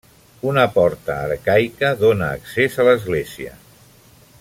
Una porta arcaica dóna accés a l'església.